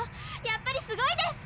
やっぱりすごいです！